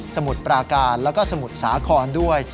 มุดปราการแล้วก็สมุทรสาครด้วย